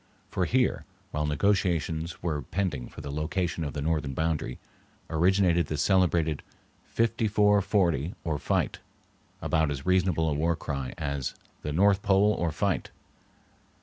For here, while negotiations were pending for the location of the northern boundary, originated the celebrated "Fifty four forty or fight," about as reasonable a war cry as the "North Pole or fight."